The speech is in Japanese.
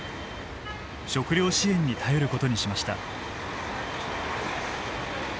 食料支援に頼ることにしました。